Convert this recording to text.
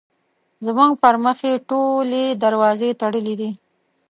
زموږ پر مخ یې ټولې دروازې تړلې دي.